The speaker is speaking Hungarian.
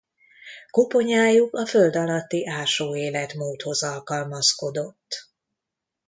Koponyájuk a földalatti ásó életmódhoz alkalmazkodott.